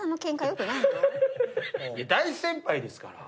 大先輩ですから。